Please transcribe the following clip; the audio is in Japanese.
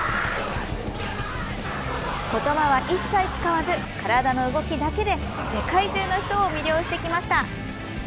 言葉は一切使わず体の動きだけで世界中の人を魅了してきました。